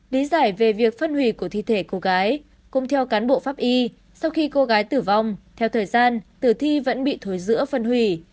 lý giải về việc phân hủy của thi thể cô gái cũng theo cán bộ pháp y sau khi cô gái tử vong theo thời gian tử thi vẫn bị thối giữa phân hủy